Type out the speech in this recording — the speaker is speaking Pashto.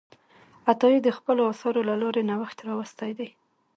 عطایي د خپلو اثارو له لارې نوښت راوستی دی.